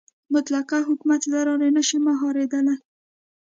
مطلقه حکومت له لارې نه شي مهارېدلی.